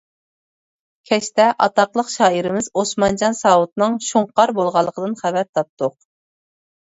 كەچتە ئاتاقلىق شائىرىمىز ئوسمانجان ساۋۇتنىڭ شۇڭقار بولغانلىقىدىن خەۋەر تاپتۇق.